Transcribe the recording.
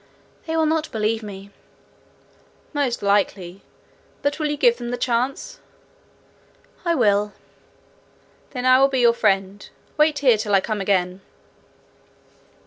'They will not believe me.' 'Most likely; but will you give them the chance?' 'I will.' 'Then I will be your friend. Wait here till I come again.'